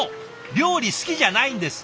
料理好きじゃないんです。